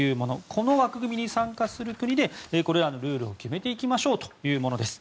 この枠組みに参加する国でこれらのルールを決めていきましょうというものです。